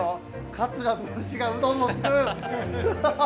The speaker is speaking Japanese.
桂文枝がうどんをつくる！